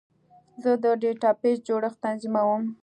زه د ډیټابیس جوړښت تنظیموم.